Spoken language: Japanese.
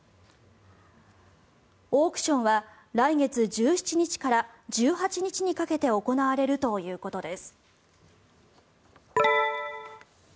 オークションは来月１７日から１８日にかけて行われるということです。